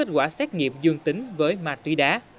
quả xét nghiệm dương tính với mà tuy đá